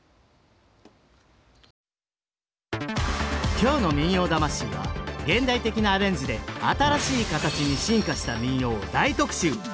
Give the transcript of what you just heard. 今日の「民謡魂」は現代的なアレンジで新しい形に進化した民謡を大特集！